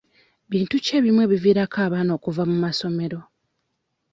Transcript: Bintu ki ebimu ebiviirako abaana okuva mu masomero?